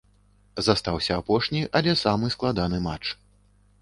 Застаўся апошні, але самы складаны матч.